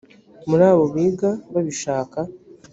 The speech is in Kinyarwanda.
muri abo biga babishaka